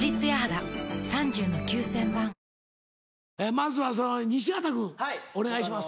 まずは西畑君お願いします。